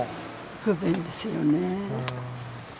不便ですよね。